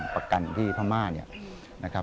ประกันที่พระม่า